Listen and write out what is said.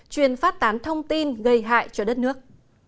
chuyên phát tán thông tin gây hại cho đất nước